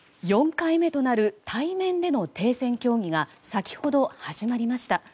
４回目となる対面での停戦協議が先ほど始まりました。